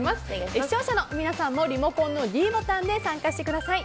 視聴者の皆さんもリモコンのｄボタンで参加してください。